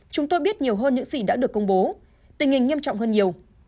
chúng tôi biết nhiều hơn những gì đã được công bố tình hình nghiêm trọng hơn nhiều